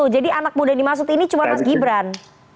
jadi anak muda yang dimaksud ini cuma mas gibran